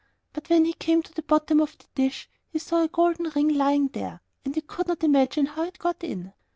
But when he came to the bottom of the dish he saw a gold ring lying there, and he could not imagine how it got in.